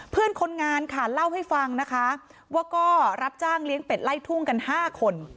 เพื่อนคนงานค่ะเล่าให้ฟังนะคะว่าก็รับจ้างเลี้ยงเป็ดไล่ทุ่งกัน๕คน